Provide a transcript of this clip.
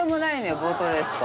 ボートレースと。